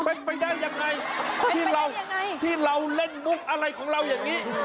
เป็นไปได้ยังไงที่เราที่เราเล่นมุกอะไรของเราอย่างนี้